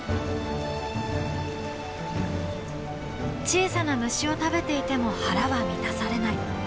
小さな虫を食べていても腹は満たされない。